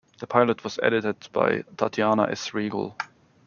The pilot was edited by Tatiana S. Riegel.